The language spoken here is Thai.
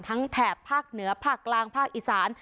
แถบภาคเหนือภาคกลางภาคอีสาน